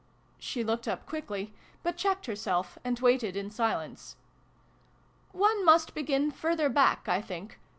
She looked up quickly, but checked herself, and waited in silence. " One must begin further back, I think.